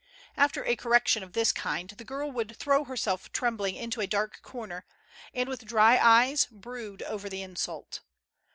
After a correction of this kind, the girl would throw herself trembling into a dark corner, and, with dry eyes, brood over the insult.